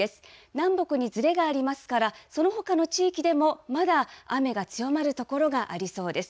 南北にずれがありますから、そのほかの地域でも、まだ雨が強まる所がありそうです。